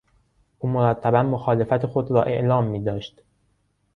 او مرتبا مخالفت خود را اعلام میداشت.